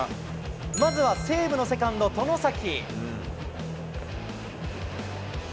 まずは西武のセカンド、外崎。